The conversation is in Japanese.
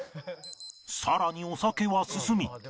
さらにお酒は進み